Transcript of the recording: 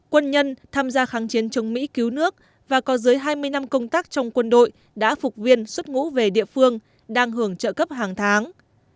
quân nhân tham gia kháng chiến chống mỹ cứu nước và có dưới hai mươi năm công tác trong quân đội đã phục viên xuất ngũ về địa phương đang hưởng trợ cấp hàng tháng